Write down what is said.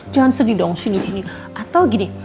jangan sedih dong sini sini